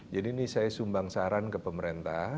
jadi ini saya sumbang saran ke pemerintah